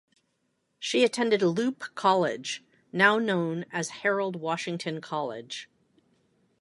She attended Loop College, now known as Harold Washington College.